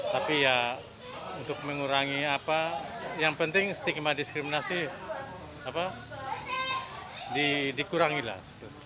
tapi ya untuk mengurangi apa yang penting setinggi diskriminasi dikurangilah